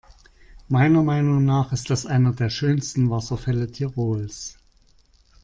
Meiner Meinung nach ist das einer der schönsten Wasserfälle Tirols.